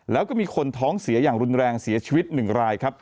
แล้วก็มีคนท้องเสียอย่างรุนแรงเสียชีวิต๑รายครับ